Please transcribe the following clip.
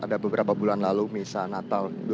ada beberapa bulan lalu misal natal dua ribu lima belas